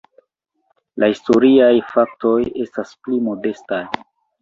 La historiaj faktoj estas pli modestaj.